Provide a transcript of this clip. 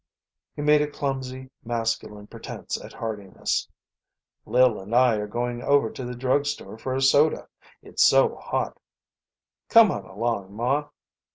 He made a clumsy, masculine pretence at heartiness. "Lil and I are going over to the drug store for a soda, it's so hot. Come on along, Ma."